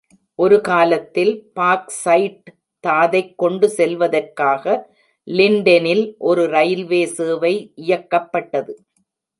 ஒருகாலத்தில், பாக்ஸைட் தாதைக் கொண்டுசெல்வதற்காக லின்டெனில் ஒரு ரயில்வே சேவை இயக்கப்பட்டது.